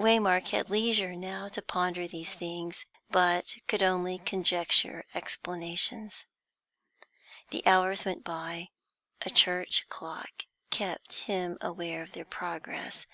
Waymark had leisure now to ponder these things, but could only conjecture explanations. The hours went by; a church clock kept him aware of their progress.